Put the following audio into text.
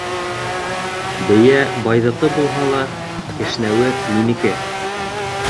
Бейә байҙыҡы булһа ла, кешнәүе минеке.